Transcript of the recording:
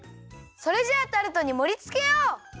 それじゃあタルトにもりつけよう！